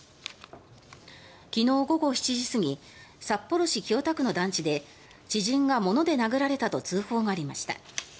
昨日午後７時過ぎ札幌市清田区の団地で知人が物で殴られたと通報がありました。